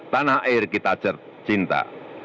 tanah air kita cinta